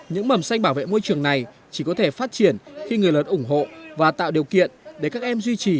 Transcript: những mầm xanh bảo vệ môi trường này chỉ có thể phát triển khi người lớn ủng hộ và tạo điều kiện để các em duy trì